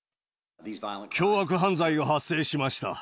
凶悪犯罪が発生しました。